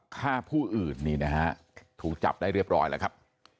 ฆ่าผู้อื่นนี่นะฮะถูกจับได้เรียบร้อยแล้วครับ